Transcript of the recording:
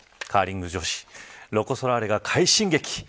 カーリング女子ロコ・ソラーレが快進撃。